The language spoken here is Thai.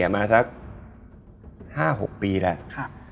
มาสัก๕๖ปีแล้ว